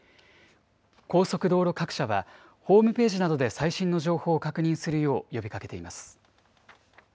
高速道路各社はホームページなどで最新の情報を確認するよう呼びかけています。